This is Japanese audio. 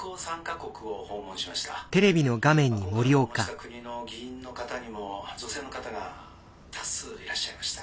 今回訪問した国の議員の方にも女性の方が多数いらっしゃいました。